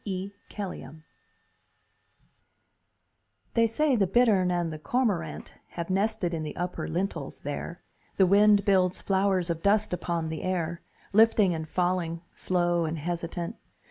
E. K_elleam_ They say the bittern and the cormorant Have nested in the upper lintels there. The wind builds flowers of dust upon the air, Lifting and falling, slow and hesitant.